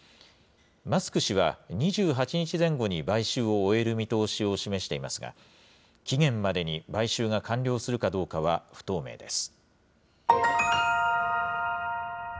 マスク氏は、２８日前後に買収を終える見通しを示していますが、期限までに買収が完了するかどうかは不透明です。